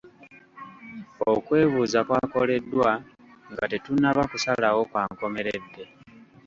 Okwebuuza kwakoleddwa nga tetunnakola kusalawo kwa nkomeredde.